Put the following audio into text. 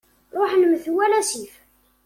Ṛuḥen metwal asif.